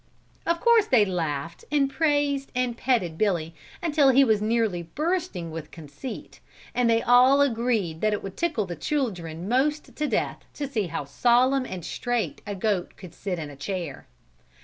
Of course they laughed and praised and petted Billy, until he was nearly bursting with conceit and they all agreed that it would tickle the children most to death to see how solemn and straight a goat could sit in a chair.